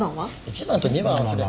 １番と２番はそりゃ。